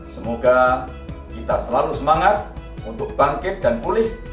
semoga kita selalu semangat untuk bangkit dan pulih